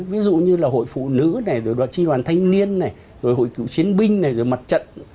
ví dụ như là hội phụ nữ này rồi đoàn tri đoàn thanh niên này rồi hội cựu chiến binh này rồi mặt trận